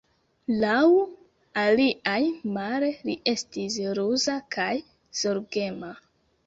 Laŭ aliaj, male, li estis ruza kaj zorgema.